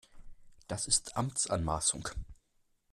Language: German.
Das ist Amtsanmaßung!